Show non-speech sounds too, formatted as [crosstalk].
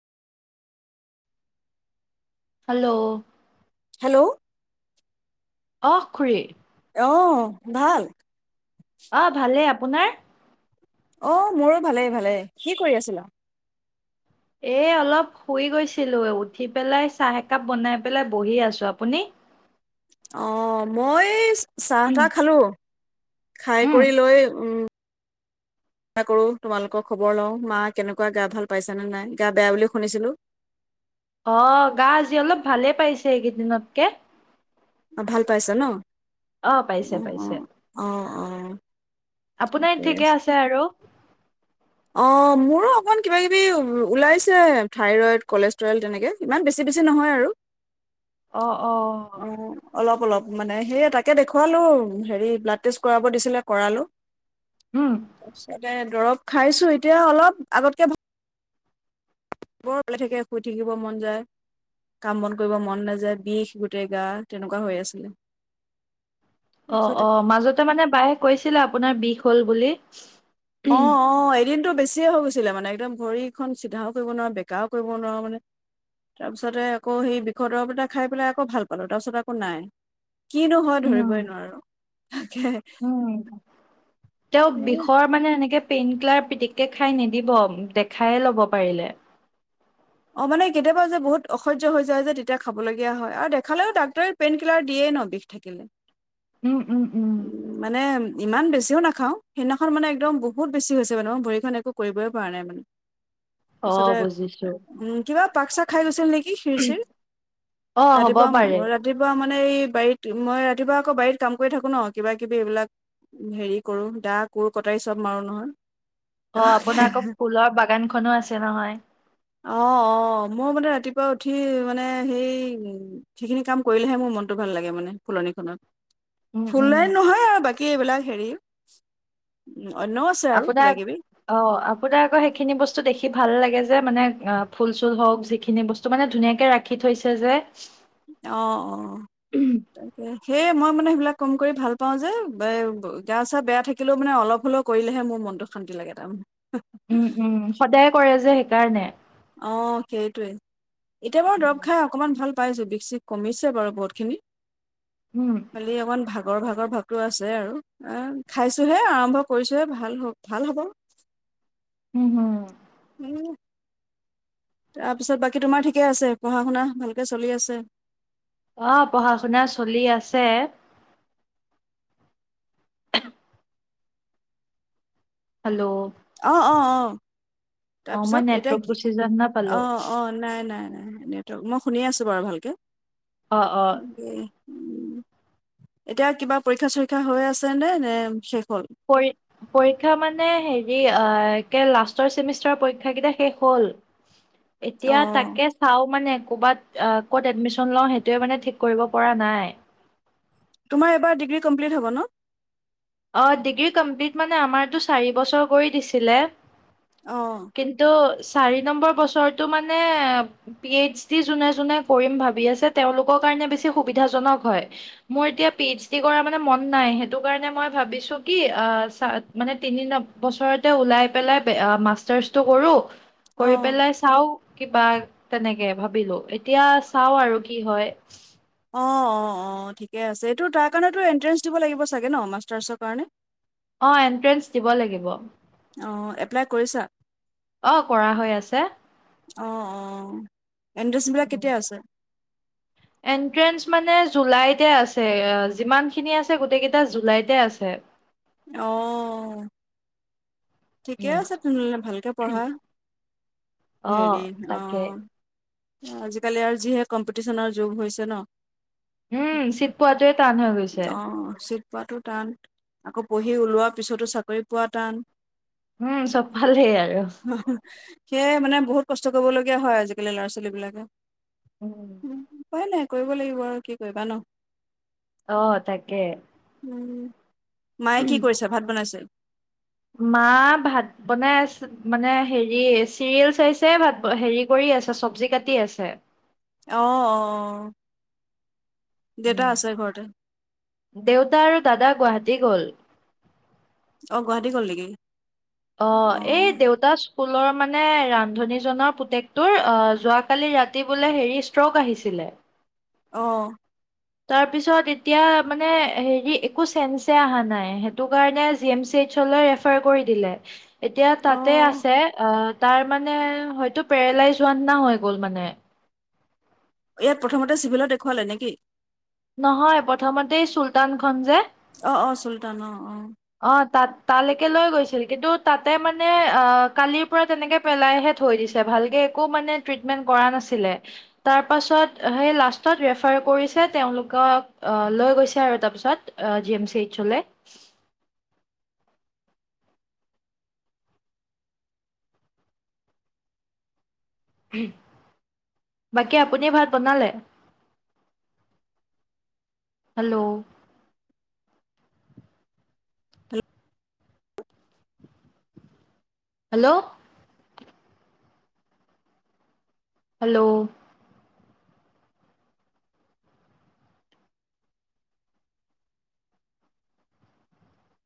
Hello! Hello! অ' খুৰী। আহ, ভাল? অ' ভালেই। আপোনাৰ? অ' মোৰো ভালেই ভালেই। কি কৰি আছিলা? এই অলপ শুই গৈছিলোঁ, উঠি পেলাই চাহ একাপ বনাই পেলাই বহি আছোঁ। আপুনি? [inaudible] অ মই এই চাহ তাহ খালো খাই কৰি লৈ উম উ [inaudible] কৰো তোমালোকৰ খবৰ লওঁ মা কেনেকুৱা গা ভাল পাইছেনে নাই গা বেয়া বুলি শুনিছিলো অ গা আজি অলপ ভালে পাইছে এইগিনিদত কে অ ভাল পাইছে ন অহ পাইছে অ পাইছে অ অ অ আপোনাৰ ঠিকে আছে আৰু অ মোৰো অকমান কিবা কিবি ওলাইছে থাইৰইড কলেষ্ট্ৰল তেনেকে ইমান বেছি বেছি নহয় আৰু অ অ অ অলপ অলপ মানে সেই তাকে দেখুৱালো হেৰি ব্লাড টেষ্ট কৰাব দিছিলে কৰালো [unintelligible] উম তাৰপিছতে দৰৱ খাইছো এতিয়া অলপ আগতকে ভাল বৰ শুই থাকিব মন যায় কাম বন কৰিব মন নাযায় বিষ গোটেই গা তেনেকুৱা হৈ আছিলে অ তাৰপিছত অ মাজতে মানে বায়ে কৈছিলে আপোনাৰ বিষ হল বুলি অ অ এদিনটো বেছিয়ে হৈ গৈছিলে মানে একদম ভড়ীখন চিধাও কৰিব নোৱাৰো বেকাৰও কৰিব নোৱাৰো মানে তাৰ পিছতে আকৌ সেই বিষৰ দৰৱ এটা খাই পেলাই আকৌ ভাল পালো তাৰ পিছত আকৌ নাই কিনো হয় উম ধৰিবই নোৱাৰো তাকে তেওঁক বিষত মানে এনেকে পেইন কিলাৰ পিটিককে খাই নিদিব দেখায়ে লব পাৰিলে অ মানে কেতিয়াবা যে বহুত অসহ্য হৈ যায় যে তেতিয়া খাবলগীয়া হয় আৰু দেখালেও ডাক্তৰে পেইন কিলাৰ দিয়ে ন বিষ থা কেলে উম উম উম মানে ইমান বেছিও নাখাও সেইদিনাখন মানে একদম বহুত বেছি হৈছে, মানে ভৰিখন একো কৰিবই পৰা নাই মানে অহ তাৰপিছতে বুজিছোঁ উম কিবা পাক চাক খাই গৈছিল নেকি? হীৰ চিৰ অ হ'ব ৰাতিপুৱা পাৰে ৰা ৰাতিপুৱা মানে এই বাৰীত মই ৰাতিপুৱা আকৌ বাৰীত কাম কৰি থাকো ন কিবা কিবি এইবিলাক হেৰি কৰো দা, কোৰ, কটাৰী চব মাৰো নহয়। অ আপোনাৰ আক ফুলৰ বাগানখনো আছে নহয়। অ অ মোৰ মানে ৰাতিপুৱা উঠি মানে সেই সেইখিনি কাম কৰিলেহে মোৰ মনটো ভাল লাগে মানে ফুলনিখনত উম উম ফুলে নহয় আৰু বাকী এইবিলাক হেৰি উম অন্যও আছে। আৰু কিবা আপোনাৰ কিবি অ আপোনাৰ আকৌ সেইখিনি বস্তু দেখি ভাল লাগে যে মানে অ ফুল চুল হওক যিখিনি বস্তু টো মানে ধুনীয়াকে ৰাখি থৈছে যে। অ অ তাকে সেয়ে মই মানে সেইবিলাক কম কৰি ভাল পাও গা চা বেয়া থাকিলেও মানে অলপ হলেও কৰিলেহে মোৰ মনটো শান্তি লাগে তাৰমানে উম উম সদায় কৰে যে সেইকাৰণে অ সেইটোৱে এতিয়া বাৰু দৰৱ খাই অকমান ভাল পাইছো বিষ চিষ কমিছে বাৰু বহুত খিনি উম খালি অকমান ভাগৰ ভাগৰ ভাৱটো আছে আৰু খাইছোঁহে আৰম্ভ কৰিছোঁহে ভাল হক ভাল হ'ব। উম হুম উম, তাৰপিছত বাকী তোমাৰ ঠিকে আছে পঢ়া শুনা ভালকে চলি আছে? অ', পঢ়া শুনা চলি আছে। [inaudible] হেল্ল' অ', অ', অ', অ মই তাৰপিছত এতিয়া নেটৱৰ্ক কি গুচি যোৱা নিচিনা পালো অ', অ' নাই - নাই - নাই, নেটৱৰ্ক মই শুনি আছোঁ বাৰু ভালকে। অ অ উম, এতিয়া কিবা পৰীক্ষা চৰীক্ষা হৈ আছেনে নে শেষ হ'ল? পঢ়ি পৰীক্ষা মানে হেৰি আ, কে লাষ্টৰ চেমিষ্টাৰ পৰীক্ষা কেইটা শেষ হ'ল। [inaudible] এতিয়া তাকে চাও মানে ক'বাত আ, ক'ত এডমিচন লওঁ সেইটোয়ে মানে ঠিক কৰিব পৰা নাই। তোমাৰ এইবাৰ ডিগ্ৰী কমপ্লিট হব ন? অ', ডিগ্ৰী কমপ্লিট মানে আমাৰতো চাৰি বছৰ কৰি দিছিলে। অ', কিন্তু চাৰি নম্বৰ বছৰটো মানে পি এইচ ডি যোনে যোনে কৰিম ভাবি আছে তেওঁলোকৰ কাৰণে বেছি সুবিধাজনক হয়। মোৰ এতিয়া পি এইচ ডি কৰা মানে মন নাই সেইটো কাৰণে মই ভাৱিছো কি আ, মানে তিনি বছৰতে ওলাই পেলাই আ, মাষ্টাৰ্ছ টো কৰোঁ অ কৰি পেলাই চাওঁ কিবা তেনেকে ভাবিলো এতিয়া চাঁও আৰু কি হয়? অ', অ', অ', ঠিকে আছে এইটো তাৰ কাৰণেতো এণ্ট্ৰেঞ্চ দিব লাগিব চাগে ন' মাষ্টাৰ্ছৰ কাৰণে? অ', এণ্ট্ৰেন্স দিব লাগিব। অ', এপ্লাই কৰিছা? অ', কৰা হৈ আছে। অ', অ', এণ্ট্ৰেন্স বিলাক কেতিয়া আছে? এণ্ট্ৰেন্স মানে জুলাইতে আছে আ, যিমানখিনি আছে গোটেইকেইটা জুলাইতে আছে। অ', ঠিকে উম আছে, তেনেহলে ভালকে পঢ়া অ', তাকে আ, আজিকালি আৰু যিহে কম্পিটিচনৰ যুগ হৈছে ন'। উম, চিট পোৱাটোৱে টান হৈ গৈছে। অ চিট পোৱাটো টান আকৌ পঢ়ি ওলোৱা পিছতো চাকৰি পোৱা টান উম চব ফালেই আৰু সেয়াই মানে বহুত কষ্ট কৰিবলগীয়া হয়, আজিকালি ল'ৰা ছোৱা ছোৱলী বিলাকে উম, উম, উপাই নাই কৰিব লাগিব আৰু কি কৰিবা ন অ', তাকে উম, মায়ে কি কৰিছে ভাত বনাইছে? মা ভাত বনাই আছ মানে হেৰি চিৰিয়েল চাইছে ভাত হেৰি কৰি আছে চব্জি কাটি আছে। অ', অ', অ', দেউতা আছে ঘৰতে দেউতা আৰু দাদা গুৱাহাটী গ'ল অ', গুৱাহাটী গ'ল নিকি? অ', এই দেউতাছ্ স্কুলৰ মানে ৰান্ধনীজনৰ পুতেকটোৰ অ যোৱাকালি ৰাতি বোলে হেৰি ষ্ট্ৰক আহিছিলে। অ', তাৰপিছত এতিয়া মানে হেৰি একো চেন্সে আহা নাই। সেইটো কাৰণে জি এম চি এইচলৈ ৰা ৰেফাৰ কৰি দিলে। এতিয়া অ তাতে আছে। আ', তাৰ মানে হয়তো পেৰেলাইজ হোৱা নিচিনা হৈ গ'ল মানে ইয়াত প্ৰথমতে চিভিলত দেখুৱালে নেকি নহয় প্ৰথমতে এএ চুলতানখন যে অ', অ, চুলতান অ, অ, অ', তাত তালেকে লৈ গৈছিল, কিন্তু তাতে মানে অ কালিৰ পৰা তেনেকে পেলাইহে থৈ দিছে ভালকে একো মানে ট্ৰিটমেন্ট কৰা নাছিলে। তাৰপাছত সেই লাষ্টত ৰেফাৰ কৰিছে। তেওঁলোকক লৈ গৈছে আৰু তাৰপিছত আ জি এম চি এইচলে বাকী আপুনিয়ে ভাত বনালে। হেল্ল', অ হেল্ল', হেল্ল',